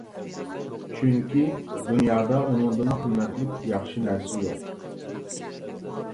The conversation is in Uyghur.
چۈنكى، دۇنيادا ئۇنىڭدىنمۇ قىممەتلىك ياخشى نەرسە يوق.